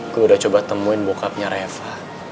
gue udah coba temuin bokapnya reva